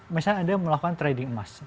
misalnya anda melakukan trading emas